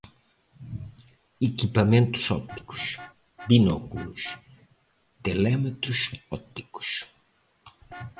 Equipamentos ópticos, binóculos, telémetros ópticos